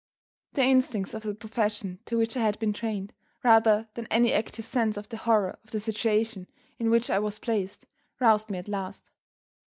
The instincts of the profession to which I had been trained, rather than any active sense of the horror of the situation in which I was placed, roused me at last.